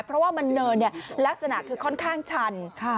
เพราะว่ามันเนินลักษณะคือค่อนข้างชัน